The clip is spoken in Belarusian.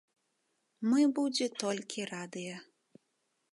Мы будзе толькі радыя.